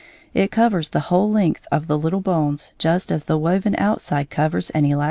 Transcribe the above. It covers the whole length of the little bones just as the woven outside covers an elastic cord.